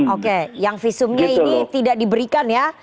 oke yang visumnya ini tidak diberikan ya